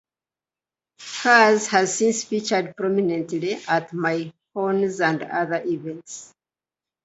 Katz has since featured prominently at many cons and other events.